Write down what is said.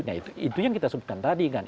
nah itu yang kita sebutkan tadi kan